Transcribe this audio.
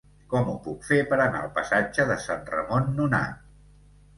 Com ho puc fer per anar al passatge de Sant Ramon Nonat?